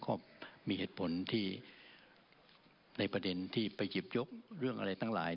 ก็มีเหตุผลที่ในประเด็นที่ไปหยิบยกเรื่องอะไรทั้งหลาย